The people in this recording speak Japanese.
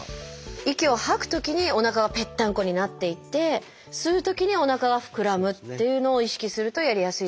息を吐くときにおなかがぺったんこになっていって吸うときにおなかが膨らむっていうのを意識するとやりやすいですかね。